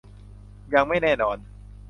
ยังไม่แน่นอน